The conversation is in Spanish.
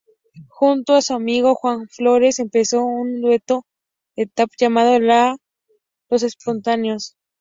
Junto a su amigo Juan Flores, empezó un dueto de tap llamado "Los Espontáneos".